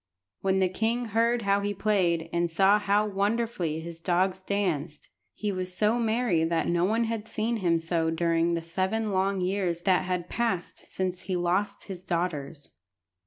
When the king heard how he played, and saw how wonderfully his dogs danced, he was so merry that no one had seen him so during the seven long years that had passed since he lost his daughters.